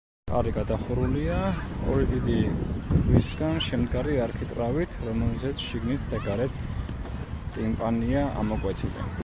კარი გადახურულია ორი დიდი ქვისგან შემდგარი არქიტრავით, რომელზეც, შიგნით და გარეთ, ტიმპანია ამოკვეთილი.